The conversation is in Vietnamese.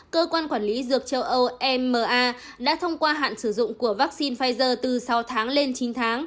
cơ quan quản lý dược châu âu ema đã thông qua hạn sử dụng của vaccine pfizer từ sáu tháng lên chín tháng